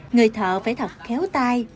người thợ phải thật khéo tai